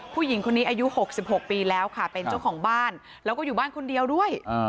ผู้หญิงคนนี้อายุ๖๖ปีแล้วค่ะเป็นเจ้าของบ้านแล้วก็อยู่บ้านคนเดียวด้วย